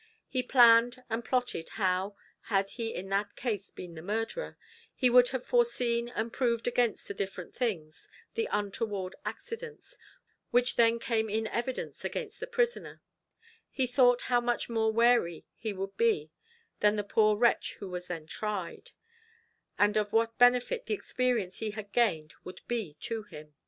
He planned and plotted how, had he in that case been the murderer, he would have foreseen and provided against the different things, the untoward accidents, which then came in evidence against the prisoner; he thought how much more wary he would be than the poor wretch who was then tried, and of what benefit the experience he had gained would be to him.